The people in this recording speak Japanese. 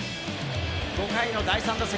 ５回の第３打席。